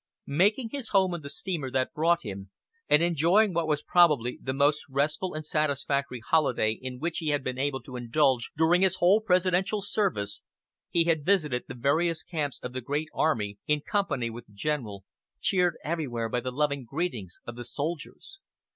Making his home on the steamer that brought him, and enjoying what was probably the most restful and satisfactory holiday in which he had been able to indulge during his whole presidential service, he had visited the various camps of the great army, in company with the General, cheered everywhere by the loving greetings of the soldiers.